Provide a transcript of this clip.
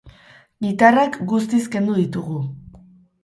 Gitarrak guztiz kendu ditugu.